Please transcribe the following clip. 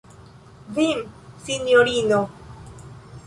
Vin, sinjorino!